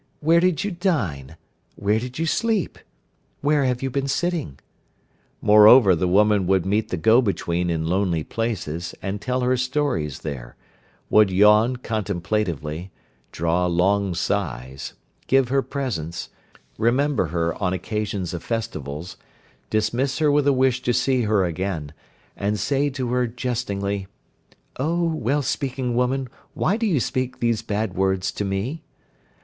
Where did you dine? Where did you sleep? Where have you been sitting?" Moreover the woman would meet the go between in lonely places and tell her stories there, would yawn contemplatively, draw long sighs, give her presents, remember her on occasions of festivals, dismiss her with a wish to see her again, and say to her jestingly, "Oh, well speaking woman, why do you speak these bad words to me?"